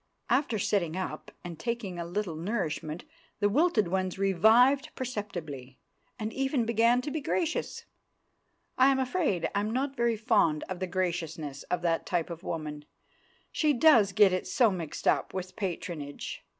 After sitting up and taking a little nourishment, the wilted ones revived perceptibly, and even began to be gracious. I am afraid I am not very fond of the graciousness of that type of woman; she does get it so mixed up with patronage.